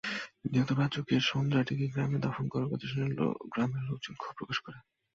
নিহত বাচ্চুকে সুন্দ্রাটিকি গ্রামে দাফন করার কথা শুনে গ্রামের লোকজন ক্ষোভ প্রকাশ করে।